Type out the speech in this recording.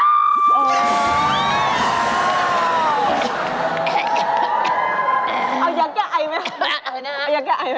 เอายังไกลไหมนะ